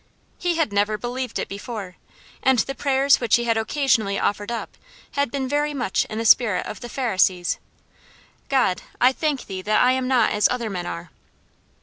He had never believed it before, and the prayers which he had occasionally offered up had been very much in the spirit of the Pharisee's, "God, I thank thee that I am not as other men are!"